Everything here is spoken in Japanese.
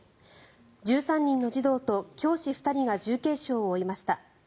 １３人の児童と教師２人が重軽傷を負いました。